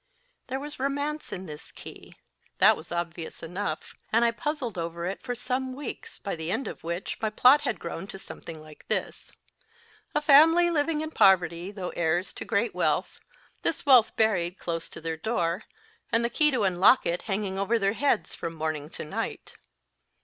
There was romance in this key that was obvious enough, and I puzzled over it for some weeks, by the end of which my plot had grown to something like this : A family living in poverty, though heirs to great wealth this wealth buried close to their door, and the key to unlock it hanging over their heads from morning to night.